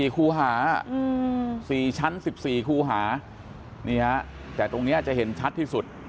คูหา๔ชั้น๑๔คูหานี่ฮะแต่ตรงนี้จะเห็นชัดที่สุด